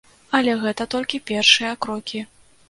Але гэта толькі першыя крокі.